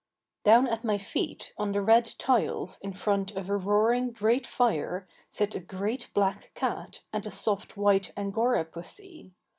Down at my feet on the red tiles in front of a roaring great fire sit a great black cat and a soft white Angora pussy.